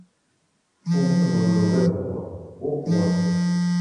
Uhu mngulu ndeuw'e w'urwa okua.